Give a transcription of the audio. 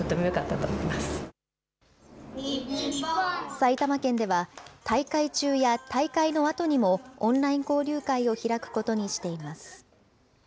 埼玉県では、大会中や大会のあとにも、オンライン交流会を開くことにしています。